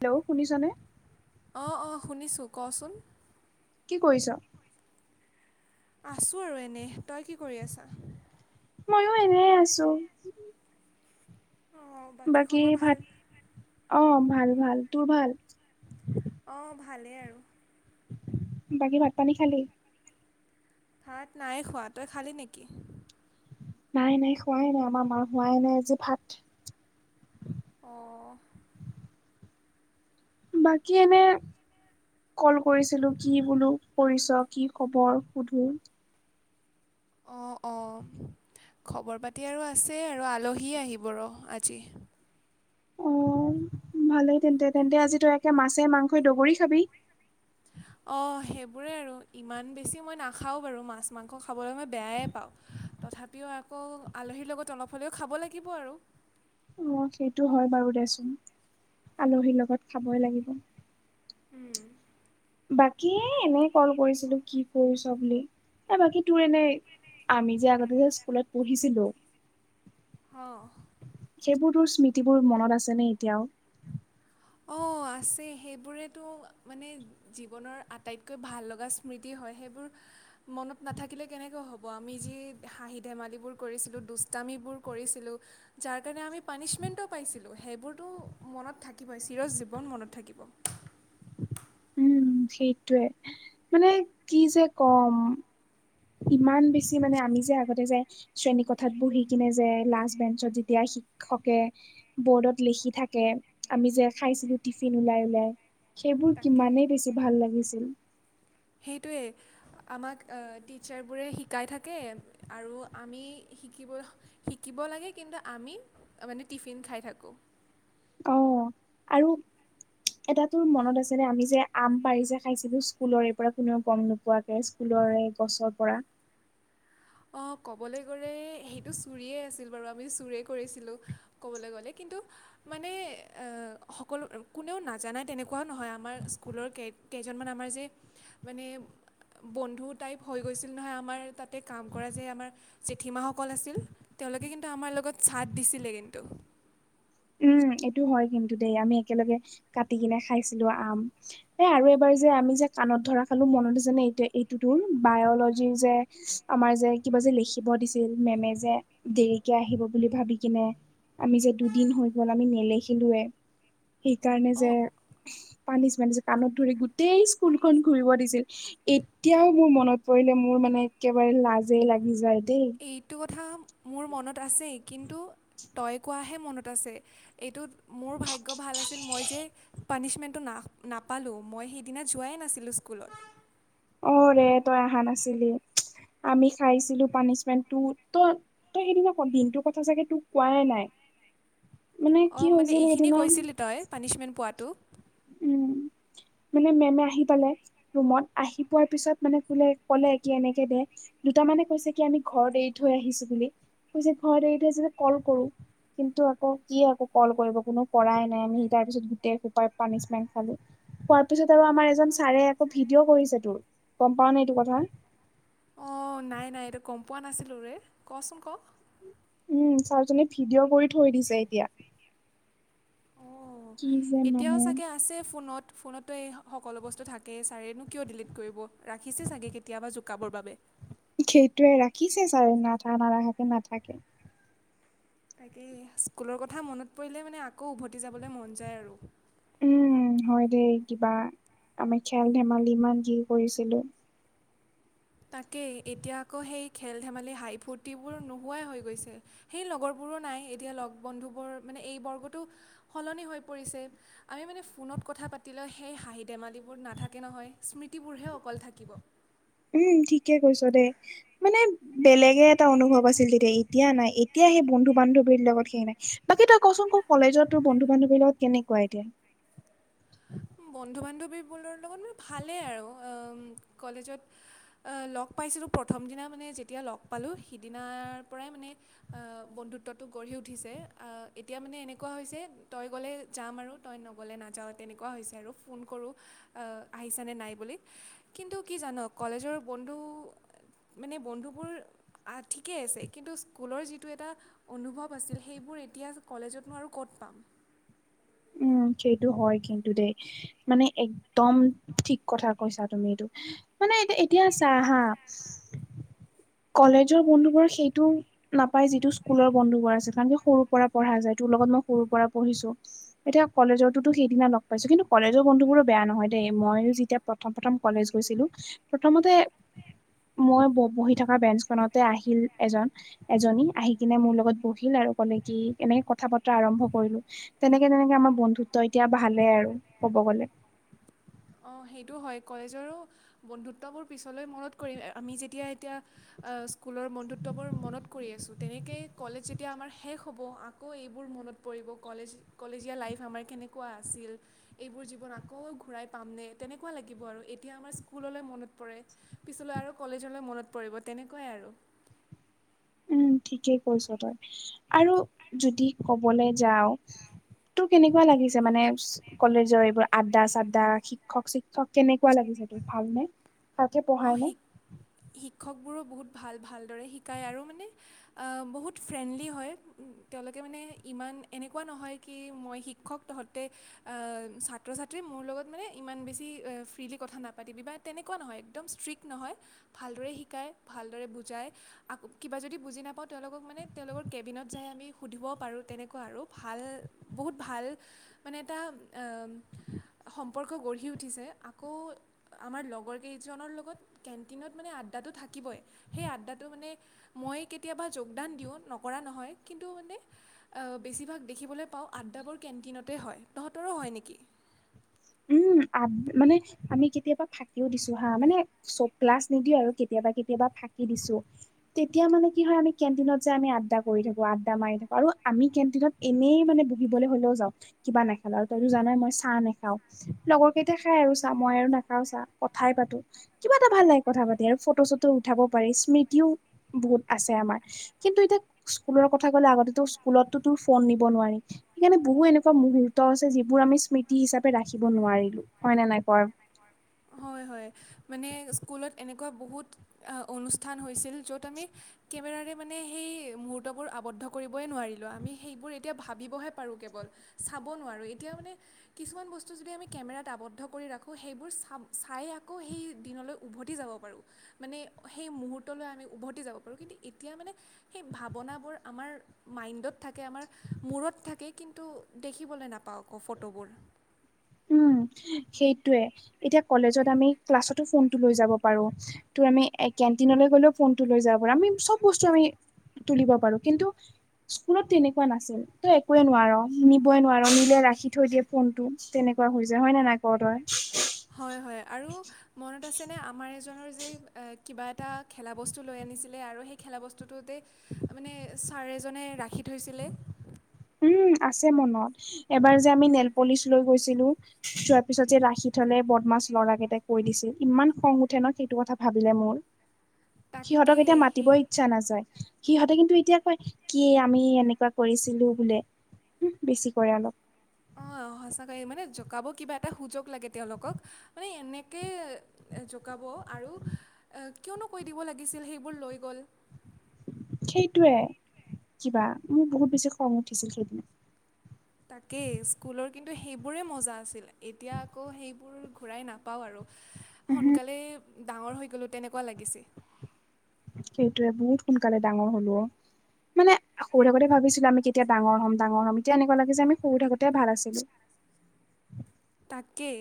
Hello, শুনিছনে? অ, অ, শুনিছোঁ ক চোন। কি কৰিছ? আছোঁ আৰু এনেই, তই কি কৰি আছা? ময়ো এনে আছোঁ। অঁ বাকী খবৰ ভাল ভাত, অ, ভাল ভাল তোৰ ভাল। অ, ভালেই আৰু। বাকী ভাত পানী খালি। ভাত নাই খোৱা, তই খালি নেকি? নাই নাই খোৱাই অ, আমাৰ মাৰ হোৱাই নাই আজি ভাত। অ, বাকী এনে, কল কৰিছিলো কি বোলো কৰিছ কি খবৰ সুধো। অ, অ, খবৰ পাতি আৰু আছে আৰু আলহী আহিব ৰহ আজি। অ, ভালেই তেন্তে, তেন্তে আজি তই একে মাছে, মাংসই দগৰি খাবি। অ, সেইবোৰেই আৰু ইমান বেছি মই নাখাওঁ বাৰু মই মাছ মাংস খাবলৈ মই বেয়াই পাওঁ। তথাপিও আকৌ আলহীৰ লগত অলপ হ'লেও খাব লাগিব আৰু। অ, সেইটো হয় বাৰু দেচোন, আলহীৰ লগত খাবই লাগিব। উম, বাকী এনেই কল কৰিছিলো। কি? কৰিছ বুলি বাকী তোৰ এনে আমি যে আগতে যে স্কুলত পঢ়িছিলো। অ', সেইবোৰ তোৰ স্মৃতিবোৰ মনত আছেনে এতিয়াও? অ', আছে। সেইবোৰেতো মানে, জীৱনৰ আটাইতকৈ ভাল লগা স্মৃতি হয় সেইবোৰ। মনত নাথাকিলে কেনেকৈ হ'ব আমি যি হাঁহি ধেমালিবোৰ কৰিছিলোঁ দুষ্টামিবোৰ কৰিছিলোঁ। যাৰ কাৰণে আমি পানিচমেন্টও পাইছিলো। সেইবোৰতো মনত থাকিব। থাকিবই চিৰ জীৱন মনত থাকিব। সেইটোৱেই, মানে কি যে কম? ইমান বেছি মানে আমি যে আগতে যে, শ্ৰেণী কথাত বহি কিনে যে লাষ্ট বেঞ্চত যেতিয়া শিক্ষকে, বৰ্ডত লিখি থাকে। আমি যে খাইছিলো টিফিন ওলাই-ওলাই। সেইবোৰ তাকেই কিমানেই বেছি ভাল লাগিছিল। সেইটোৱেই। আমাক টিচাৰবোৰে শিকাই থাকে। আৰু আমি শিকিব শিকিব লাগে কিন্তু আমি মানে টিফিন খাই থাকোঁ। অ', আৰু এটা তোৰ মনত আছে ন, আমি যে আম পাৰি যে খাইছিলো স্কুলৰৰে পৰা কোনেও গম নোপোৱাকে। ফুলৰে গছৰ পৰা। অ, ক'বলে গ'লে সেইটো চুৰিয়ে আছিল বাৰু আমি চোৰেই কৰিছিলোঁ। ক'বলে গ'লে কিন্তু, মানে, সকলো কোনেও নাজানাই তেনেকুৱাও নহয়। আমাৰ স্কুলৰ কে কেইজনমান আমাৰ যে মানে বন্ধু টাইপ হৈ গৈছিল নহয় আমাৰ তাতে। কাম কৰা যে আমাৰ জেঠীমাসকল আছিল তেওঁলোকে কিন্তু আমাৰ লগত ছাদ দিছিলে কিন্তু। উম, এইটো হয় কিন্তু দেই আমি একেলগে কাটি কিনে খাইছিলো আম। এ, আৰু এবাৰ যে আমি যে কাণত ধৰা খালো মনত আছেনে? এইটো যোন এই-এইটোতোৰ বায়লজি যে, আমাৰ যে কিবা যে লিখিব দিছিল মেমে যে দেৰিকে আহিব বুলি ভাবি কিনে। আমি যে দুদিন হৈ গল আমি নেলেখিলোয়ে। সেইকাৰণে অ', যে পানীচমেন্ত যে কাণত ধৰি গোটেই স্কুলখন ঘুৰিব দিছিল। এতিয়াও মোৰ মনত পৰিলে, মোৰ মানে একেবাৰে লাজেই লাগি যায় দেই। এইটো কথা মোৰ মনত আছেই কিন্তু তই কোৱাহে মনত আছে। এইটোত মোৰ ভাগ্য ভাল আছিল মই যে, পানিছমেণ্টটো না নাপালোঁ। মই সেইদিনা যোৱাই নাছিলোঁ স্কুলত। অ' ৰে তই অহা নাছিলি। আমি খাইছিলো পানিচমেণ্টটো। তই, তই সেইদিনা দিনটোৰ কথা চাগে তোক কোৱাই নাই। মানে অ, কি মানে হৈছিল এইখিনি সেইদিনা কৈছিলি তই পানিছমেণ্ট পোৱাটো। উম, মানে মেমে আহি পালে ৰুমত। আহি পোৱাৰ পিছত মানে কোলে ক'লে কি এনেকে দে। দুটা মানে কৈছে কি আমি ঘৰত এৰি থৈ আহিছো বুলি কৈছে ঘৰত এৰি থৈ যেনে কল কৰো। কিন্তু আকৌ কি আকৌ কল কৰিব কোনো কৰাই নাই, আমি তাৰ পিছত গোটেইোপাই পানিচমেন্ট খালো। খোৱাৰ পিছত আৰু আমাৰ এজন ছাৰে আকৌ ভিডিঅ' কৰিছে তোৰ গম পাও নে এইটো কথা। অ, নাই-নাই এইটো গম পোৱা নাছিলোঁ ৰে কচোন ক? উম, ছাৰজনে ভিডিঅ' কৰি থৈ দিছে এতিয়া। অঁ কি যে এতিয়াও মানে চাগে আছে ফোনত-ফোনত। তো এই সকলো বস্তু থাকেই ছাৰেনো কিয় ডিলিট কৰিব, ৰাখিছে চাগে কেতিয়াবা জোকাবৰ বাবে। সেইটোয়ে ৰাখিছে ছাৰে নাথা ন নাখাকে নাথাকে। তাকেই স্কুলৰ কথা মনত পৰিলে মানে আকৌ উভতি যাবলৈ মন যায় আৰু। উম, হয় দেই কিবা আমি খেল ধেমালি ইমান কি কৰিছিলো। তাকেই এতিয়া আকৌ সেই খেল ধেমালি হাই ফূৰ্তিবোৰ নোহোৱাই হৈ গৈছে। সেই লগৰবোৰো নাই, এতিয়া লগ বন্ধুবোৰ মানে এই বৰ্গটো সলনি হৈ পৰিছে। আমি মানে ফোনত কথা পাতিলেও সেই হাঁহি ধেমালিবোৰ নাথাকে নহয়, স্মৃতিবোৰহে অকল থাকিব। উম, ঠিকে কৈছ দেই মানে বেলেগে এটা অনুভৱ আছিল তেতিয়া, এতিয়া নাই। এতিয়া সেই বন্ধু বান্ধৱীৰ লগত সেই নাই। বাকী তই কচোন ক' কলেজত তোৰ বন্ধু বান্ধৱীৰ লগত কেনেকুৱা এতিয়া? বন্ধু বান্ধৱীবোৰৰ লগত মোৰ ভালেই আৰু। কলেজত লগ পাইছিলোঁ প্ৰথম দিনা মানে যেতিয়া লগ পালোঁ সিদিনাৰ পৰাই মানে আ, বন্ধুত্বটো গঢ়ি উঠিছে, আ, এতিয়া মানে এনেকুৱা হৈছে তই গ'লে যাম আৰু তই নগ'লে নাযাওঁ তেনেকুৱা হৈছে আৰু, ফোন কৰোঁ আ, আহিছানে নাই বুলি কিন্তু কি জান' কলেজৰ বন্ধু মানে বন্ধুবোৰ ঠিকেই আছে কিন্তু স্কুলৰ যিটো এটা অনুভৱ আছিল সেইবোৰ এতিয়া কলেজতনো আৰু ক'ত পাম। উম, সেইটো হয় কিন্তু দেই, মানে একদম ঠিক কথা কৈছা তুমি এইটো, মানে এতিয়া এতিয়া চা হা কলেজৰ বন্ধুবোৰ সেইটো নাপাই যিটো স্কুলৰ বন্ধুবোৰ আছে কাৰণ সৰুৰ পৰা পঢ়া যায়, তোৰ লগত মই সৰুৰপৰা পঢ়িছোঁ। এতিয়া কলেজৰটোতো সেইদিনা লগ পাইছোঁ কিন্তু কলেজৰ বন্ধুবোৰো বেয়া নহয় দে, ময়ো যেতিয়া প্ৰথম প্ৰথম কলেজ গৈছিলো, প্ৰথমতে মই বহি থকা বেঞ্চখনতে আহিল এজন। এজনী আহি কিনে মোৰ লগত বহিল আৰু ক'লে কি এনেকে কথা বতৰা আৰম্ভ কৰিলো, তেনে তেনেকে তেনেকে আমাৰ বন্ধুত্ব এতিয়া ভালে আৰু ক'ব গ'লে। অ' সেইটো হয়, কলেজৰো বন্ধুত্ববোৰ পিছলৈ মনত কৰিম আমি যেতিয়া এতিয়া আ, স্কুলৰ বন্ধুত্ববোৰ মনত কৰি আছোঁ। তেনেকেই কলেজ যেতিয়া আমাৰ শেষ হ'ব আকৌ এইবোৰ মনত পৰিব, কলেজ কলেজীয়া লাইফ আমাৰ কেনে কুৱা আছিল, এইবোৰ জীৱন আকৌ ঘূৰাই পামনে তেনেকুৱা লাগিব আৰু এতিয়া আমাৰ স্কুললৈ মনত পৰে। পিছলৈ আৰু কলেজলৈ মনত পৰিব, তেনেকুৱাই আৰু। উম, ঠিকেই কৈছ তই, আৰু যদি কবলৈ যাওঁ তোৰ কেনেকুৱা লাগিছে মানে কলেজৰ এইবোৰ আড্ডাৰ চাড্ডা, শিক্ষক চিক্ষক কেনেকুৱা লাগিছে তোৰ ভালনে? তাকে অঁ পঢ়াই নে? শিক শিক্ষকবোৰো বহুত ভাল, ভালদৰে শিকায় আৰু মানে বহুত ফ্ৰেণ্ডলি হয়, তেওঁলোকে মানে ইমান এনেকুৱা নহয় কি মই শি ক্ষক তহঁতে আ, ছাত্ৰ ছাত্ৰী মোৰ লগত মানে ইমান বেছি ফ্ৰিলী কথা নাপাতিবি বা তেনেকুৱা নহয়। একদম ষ্ট্ৰিক্ট নহয়, ভালদৰে শিকায়, ভালদৰে বুজায়। আক' কিবা যদি বুজি নাপাওঁ, তেওঁলোকক মানে তেওঁলোকৰ কেবিনত যাই আমি সুধিব পাৰোঁ, তেনেকুৱা আৰু ভাল বহুত ভাল মানে এটা আ সম্পৰ্ক গঢ়ি উঠিছে, আকৌ আমাৰ লগৰ কেই জনৰ লগত কেণ্টিনত মানে আড্ডাটো থাকিবই, সেই আড্ডাটো মানে মই কেতিয়াবা যোগদান দিওঁ নকৰা নহয়, কিন্তু মানে বেছিভাগ দেখিবলৈ পাওঁ আড্ডাবোৰ কেণ্টিনতে হয়। তহঁতৰো হয় নেকি? উম, আ, মানে আমি কেতিয়াবা ফাকিও দিছোঁ হা, মানে চব ক্লাছ নিদি আৰু কেতিয়াবা, কেতিয়াবা ফাঁকি দিছোঁ। তেতিয়া মানে কি হয় আমি কেণ্টিনত যে আমি আড্ডা কৰি থাকোঁ, আড্ডা মাৰি থাকো আৰু আমি কেণ্টিনত এনেই মানে বহিবলৈ হ'লেও যাওঁ, কিবা নাখালা আৰু তইতো জানাই মই চাহ নেখাও। লগৰ কেইটাই খাই আৰু চা, মই আৰু নাখাওঁ চা কথাই পাতো। কিবা এটা ভাল লাগে কথা পাতি আৰু ফটো, চটো উঠাব পাৰি, স্মৃতিও বহুত আছে আমাৰ। কিন্তু এতিয়া স্কুলৰ কথা ক'লে আগতে স্কুলতো তোৰ ফোন নিব নোৱাৰি। সেইকাৰণে বহু এনেকুৱা মুহুৰ্ত আছে যিবোৰ আমি স্মৃতি হিচাপে ৰাখিব নোৱাৰিলো হয়, নে, নাই ক'? হয় হয়, মানে স্কুলত এনেকুৱা বহুত অনুষ্ঠান হৈছিল, য'ত আমি কেমেৰাৰে মানে সেই মুহূৰ্তবোৰ আৱদ্ধ কৰিবই নোৱাৰিলোঁ আমি সেইবোৰ এতিয়া ভাবিবহে পাৰোঁ কেৱল চাব নোৱাৰোঁ, এতিয়া মানে কিছুমান বস্তু যদি আমি কেমেৰাত আৱদ্ধ কৰি ৰাখোঁ সেইবোৰ চাব চাই আকৌ, সেই দিনলৈ উভতি যাব পাৰোঁ। মানে, সেই মুহূৰ্তলৈ আমি উভতি যাব পাৰোঁ, কিন্তু এতিয়া মানে সেই ভাৱনাবোৰ আমাৰ মাইণ্ডত থাকে আমাৰ মূৰত থাকে, কিন্তু দেখিবলৈ নাপাওঁ আকৌ ফটোবোৰ। উম, সেইটয়ে এতিয়া কলেজত আমি ক্লাছতো ফোনটো লৈ যাব পাৰো। তো আমি কেণ্টিনলৈ গ'লেও ফোনতটো লৈ যাব পাৰো, আমি চব বস্তু আমি তুলিব পাৰো, কিন্তু স্কুলত তেনেকুৱা নাছিল, তই একোৱে নোৱাৰ, নিবই নোৱাৰ, নিলে ৰাখি থৈ দিয়ে ফোনটো। তেনেকুৱা হৈ যায় হয়, নে, নাই ক, তই। হয়, হয় আৰু মনত আছেনে, আমাৰ এজনৰ যে কিবা এটা খেলা বস্তু লৈ আনিছিলে আৰু সেই খেলা বস্তুটোতে মানে ছাৰ এজনে ৰাখি থৈছিলে। উম, আছে মনত এবাৰ যে আমি নেলপলিচ লৈ গৈছিলো। চোৱাৰ পিছত যে ৰাখি থলে বদমাছ ল'ৰা কেইটাই কৈ দিছিল, ইমান খং উঠে ন, সেইটো কথা ভাবিলে মোৰ। [inaudible] সিহতক তাকেই এতিয়া সেই মাতিবই ইচ্ছা নাযায়, সিহঁতে কিন্তু এতিয়া কয় কি আমি এনেকুৱা কৰিছিলো। [unintelligible] বেছি কৰে অলপ। অ', সঁচাকৈয় মানে জোকাব কিবা এটা সুযোগ লাগে তেওঁলোকক, মানে এনেকে জোকাব, আৰু কিয়নো কৈ দিব লাগিছিল সেইবোৰ লৈ গ'ল। সেইটয়ে, কিবা মোৰ বহুত বেছি খং উঠিছিল সেইদিনা। তাকেই, স্কুলৰ কিন্তু সেইবোৰেই মজা আছিল এতিয়া আকৌ সেইবোৰ ঘূৰাই না পাওঁ আৰু উহু সোনকালেই ডাঙৰ হৈ গ'লো তেনেকুৱা লাগিছে। সেইটোয়ে বহুত সোনকালে ডাঙৰ হলো, মানে সৰু থাকোঁতে ভাবিছো আমি কেতিয়া ডাঙৰ হম, ডাঙৰ হম এতিয়া এনেকুৱা লাগিছে যে আমি সৰু থাকোতে ভাল আছিলো। তাকেই,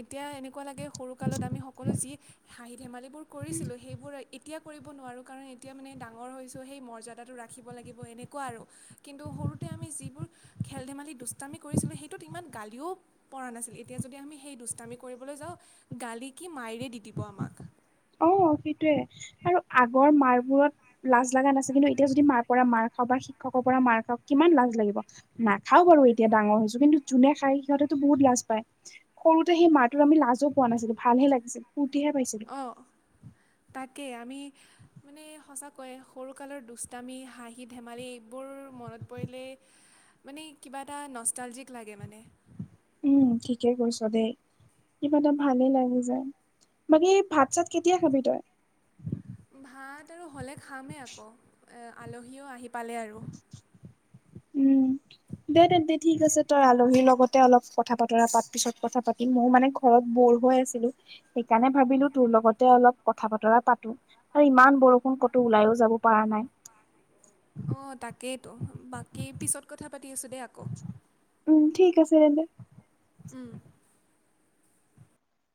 এতিয়া এনেকুৱা লাগে সৰুকালত আমি সকলো যি হাঁহি ধেমালিবোৰ কৰিছিলো। সেইবোৰ এতিয়া কৰিব নোৱাৰোঁ কাৰণ এতিয়া মানে ডাঙৰ হৈছোঁ, সেই মৰ্যাদাটো ৰাখিব লাগিব এনেকুৱা আৰু। কিন্তু সৰুতে আমি যিবোৰ খেল, ধেমালি দুষ্টামি কৰিছিলোঁ সেইটোত ইমান গালিও পৰা নাছিল, এতিয়া যদি আমি সেই দুষ্টামি কৰিবলৈ যাওঁ, গালি কি মায়েৰে দি, দিব আমাক। অ', সেইটোয়ে আৰু আগৰ মাৰবোৰত লাজ লগা নাছিল, কিন্তু এতিয়া যদি মাৰ পৰা মাৰ খাওক বা শিক্ষকৰ পৰা মাৰ খাওক কিমান লাজ লাগিব। নাখাও বাৰু এতিয়া ডাঙৰ হৈছো, কিন্তু যোনে খাই সিহঁতেতো বহুত লাজ পায়। সৰুতে সেই মাহটোৰ আমি লাজো পোৱা নাছিলো, ভালহে লাগিছিল, ফূ্তিহে পাইছিলো। অ', তাকে আমি মানে সঁচাকৈ সৰুকালৰ দুষ্টামি হাঁহি ধেমালি এইবোৰ মনত পৰিলে মানে কিবা এটা নষ্টালজিক লাগে মানে। উম ঠিকে কৈছ দেই, কিবা এটা ভালেই লাগি যায়, বাকী ভাত চাত কেতিয়া খাবি তই? ভাত আৰু হ'লে খামেই আকৌ, আলহীও আহি পালে আৰু। [unintelligible] উম [inaudible] দে তেন্ত দে ঠিক আছে, তই আলহীৰ লগতে অলপ কথা বতৰা পাত পিছত কথা পাতিম ময়ও মান ঘৰত বৰ হৈ আছিলো, সেইকাৰণে ভাবিলো তোৰ লগতে অলপ কথা বতৰা পাতো। আৰু ইমান বৰষুণ কতো ওলাইও যাব পৰা নাই। অ' তাকেইতো বাকী পিছত কথা পাতি আছোঁ দেই আকৌ। উম ঠিক আছে তেন্তে।